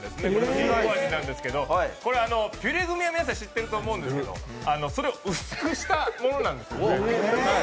りんご味なんですけどピュレグミは皆さん知ってると思うんですけどそれを薄くしたものなんですね。